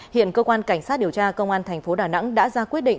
hiện cơ quan cảnh sát điều tra công an thành phố đà nẵng đã ra quyết định